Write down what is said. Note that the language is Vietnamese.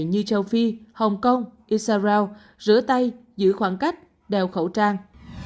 như châu phi hồng kông isarau rửa tay giữ khoảng cách đeo khẩu trang